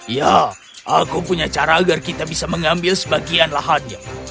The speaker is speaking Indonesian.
ya aku punya cara agar kita bisa mengambil sebagian lahannya